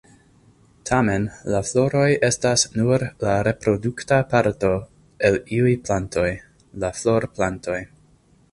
Tamen, la floroj estas nur la reprodukta parto el iuj plantoj: la florplantoj.